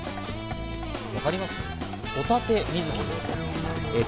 分かります？